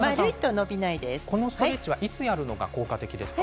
このストレッチはいつやるのが効果的ですか？